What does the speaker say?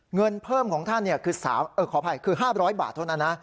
เงินเพิ่มของท่านคือ๕๐๐บาทเท่านั้นนะ